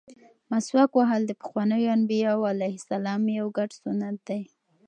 مسواک وهل د پخوانیو انبیاوو علیهم السلام یو ګډ سنت دی.